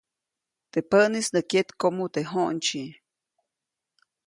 Teʼ päʼnis nä kyetkoʼmu teʼ j̃oʼndsyi.